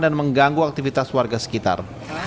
dan mengganggu aktivitas warga sekitar